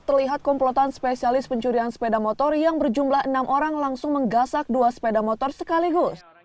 terlihat komplotan spesialis pencurian sepeda motor yang berjumlah enam orang langsung menggasak dua sepeda motor sekaligus